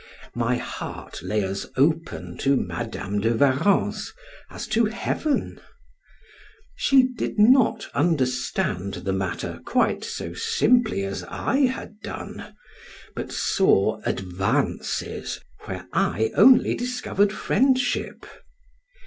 My heart lay as open to Madam de Warrens as to Heaven. She did not understand the matter quite so simply as I had done, but saw advances where I only discovered friendship.